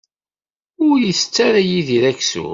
Ur itett ara Yidir aksum.